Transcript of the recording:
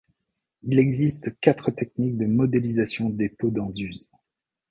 Il existe quatre techniques de modélisation des pots d'Anduze.